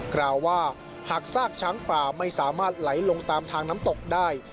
กล่าวว่าหากซากช้างป่าไม่สามารถไหลลงตามทางน้ำตกได้